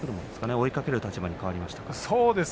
追いかける立場になりましたが。